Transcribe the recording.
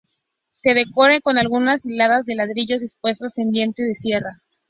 Se decora con algunas hiladas de ladrillos dispuestos en diente de sierra.